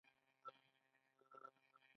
د پاسپورت ریاست څنګه اسناد ورکوي؟